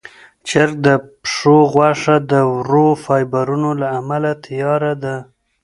چرګ د پښو غوښه د ورو فایبرونو له امله تیاره ده.